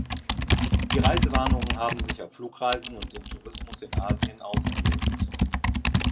Die Reisewarnungen haben sich auf Flugreisen und den Tourismus in Asien ausgewirkt.